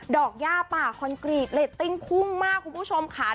ย่าป่าคอนกรีตเรตติ้งพุ่งมากคุณผู้ชมค่ะ